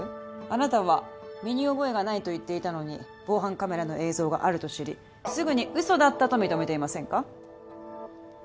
あなたは身に覚えがないと言っていたのに防犯カメラの映像があると知りすぐに嘘だったと認めていませんか？